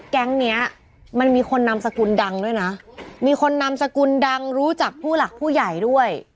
แก๊งเนี้ยมันมีคนนามสกุลดังด้วยนะมีคนนำสกุลดังรู้จักผู้หลักผู้ใหญ่ด้วย